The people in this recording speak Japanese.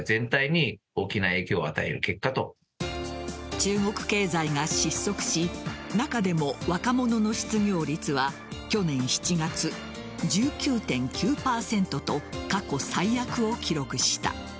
中国経済が失速し中でも若者の失業率は去年７月１９．９％と過去最悪を記録した。